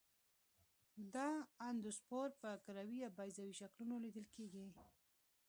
دا اندوسپور په کروي یا بیضوي شکلونو لیدل کیږي.